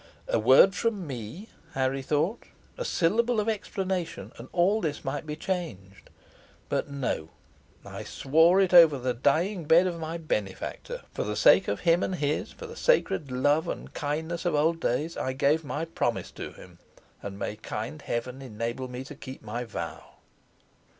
"A word from me," Harry thought, "a syllable of explanation, and all this might be changed; but no, I swore it over the dying bed of my benefactor. For the sake of him and his; for the sacred love and kindness of old days; I gave my promise to him, and may kind heaven enable me to keep my vow!"